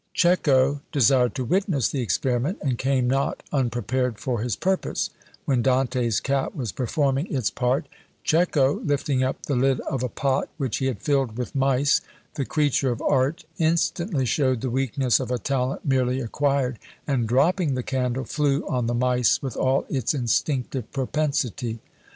Cecco desired to witness the experiment, and came not unprepared for his purpose; when Dante's cat was performing its part, Cecco, lifting up the lid of a pot which he had filled with mice, the creature of art instantly showed the weakness of a talent merely acquired, and dropping the candle, flew on the mice with all its instinctive propensity.